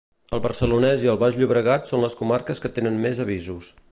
El Barcelonès i el Baix Llobregat són les comarques que tenen més avisos.